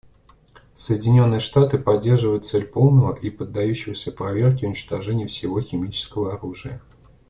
Соединенные Штаты поддерживают цель полного и поддающегося проверке уничтожения всего химического оружия.